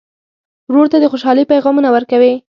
ورور ته د خوشحالۍ پیغامونه ورکوې.